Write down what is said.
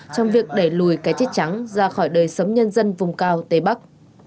trong việc đẩy lùi cái chết trắng ra khỏi đời sống nhân dân vùng cao tây bắc